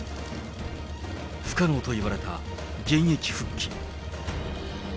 不可能といわれた現役復帰。